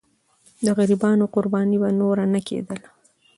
د غریبانو قرباني به نور نه کېدله.